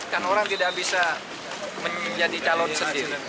kan orang tidak bisa menjadi calon sendiri